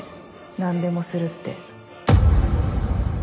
何でもするって。